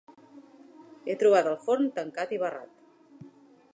He trobat el forn tancat i barrat.